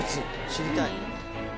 知りたい。